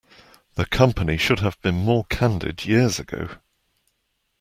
The company should have been more candid years ago.